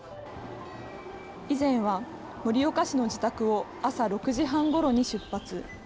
以前は盛岡市の自宅を朝６時半ごろに出発。